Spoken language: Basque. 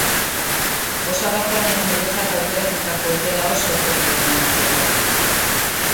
Osaba Juanek niretzat aukeratutako hotela oso toki onean zegoen.